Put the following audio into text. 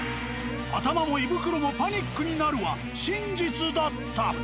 「頭も胃袋もパニックになる」は真実だった。